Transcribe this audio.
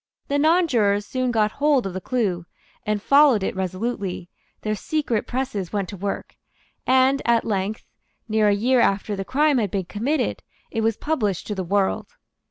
The nonjurors soon got hold of the clue, and followed it resolutely; their secret presses went to work; and at length, near a year after the crime had been committed, it was published to the world.